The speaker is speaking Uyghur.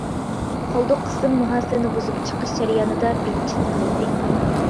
قالدۇق قىسىم مۇھاسىرىنى بۇزۇپ چىقىش جەريانىدا بىتچىت قىلىندى.